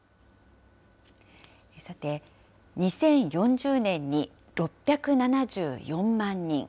さて、２０４０年に６７４万人。